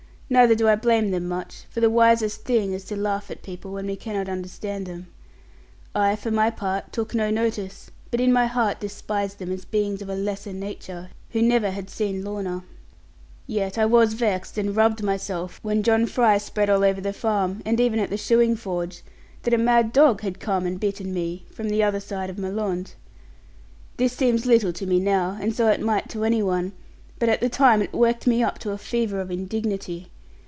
Neither do I blame them much; for the wisest thing is to laugh at people when we cannot understand them. I, for my part, took no notice; but in my heart despised them as beings of a lesser nature, who never had seen Lorna. Yet I was vexed, and rubbed myself, when John Fry spread all over the farm, and even at the shoeing forge, that a mad dog had come and bitten me, from the other side of Mallond. This seems little to me now; and so it might to any one; but, at the time, it worked me up to a fever of indignity.